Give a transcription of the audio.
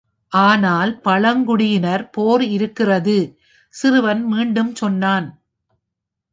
"ஆனால் பழங்குடியினர் போர் இருக்கிறது" சிறுவன் மீண்டும் சொன்னான்.